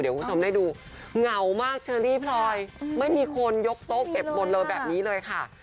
เดี๋ยวคุณผู้ชมได้ดูเหงามากเชอรี่พลอยไม่มีคนยกโต๊ะเก็บหมดเลยแบบนี้เลยค่ะ